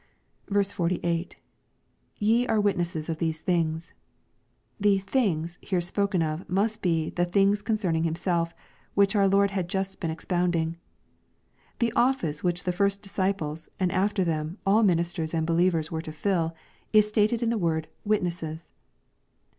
48. —[ Ye are vntnesses of these things.] The " things" here spoken of must be the " things concerning Himself," which our Lord had just been expounding. The office which the first disciples, and after them, all ministers and believers were to fill, is stated in the word " witnesses."